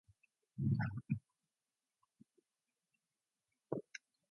They are now open to the public.